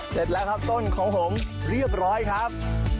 เสร็จแล้วครับต้นของผมเรียบร้อยครับ